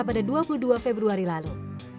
pada dua puluh dua februari lalu